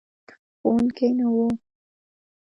ښوونکی نه و.